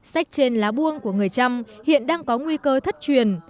sách trên lá buông của người trăm hiện đang có nguy cơ thất truyền